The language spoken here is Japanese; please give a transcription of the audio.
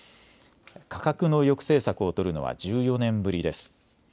価格の抑制策を取るのは１４年ぶりです。